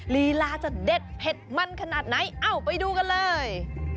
ลีลาจะเด็ดเผ็ดมันขนาดไหนเอ้าไปดูกันเลย